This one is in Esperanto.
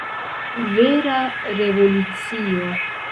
Vera revolucio!